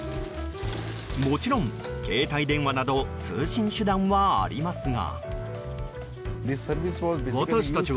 もちろん、携帯電話など通信手段はありますが。